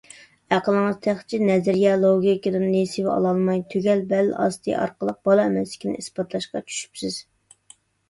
ئەقلىڭىز تېخىچە نەزىرىيە، لوگىكادىن نېسىۋە ئالالماي، تۈگەل بەل ئاستى ئارقىلىق بالا ئەمەسلىكنى ئىسپاتلاشقا چۈشۈپسىز.